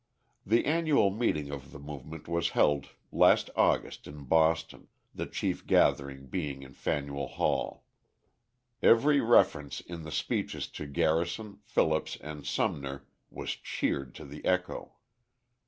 The annual meeting of the movement was held last August in Boston, the chief gathering being in Faneuil Hall. Every reference in the speeches to Garrison, Phillips, and Sumner was cheered to the echo.